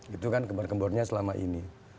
itu kan gembar gembornya selama ini